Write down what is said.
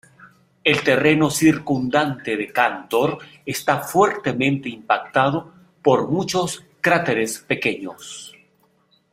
El terreno circundante de Cantor está fuertemente impactado por muchos cráteres pequeños.